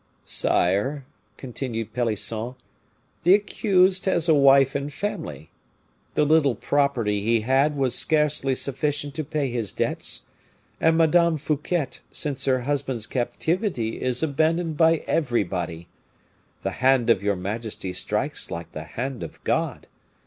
"Sire," continued Pelisson, "the accused has a wife and family. The little property he had was scarcely sufficient to pay his debts, and Madame Fouquet, since her husband's captivity, is abandoned by everybody. The hand of your majesty strikes like the hand of God.